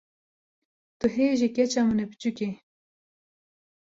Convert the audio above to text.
Tu hê jî keça min a biçûk î.